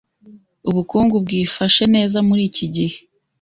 Ubukungu bwifashe neza muri iki gihe.